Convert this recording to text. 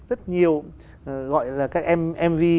rất nhiều gọi là các em mv